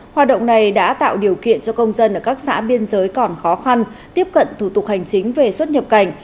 hoạt động này đã tạo điều kiện cho công dân ở các xã biên giới còn khó khăn tiếp cận thủ tục hành chính về xuất nhập cảnh